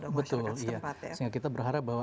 masyarakat setempat ya sehingga kita berharap bahwa